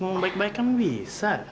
semua baik baik kan bisa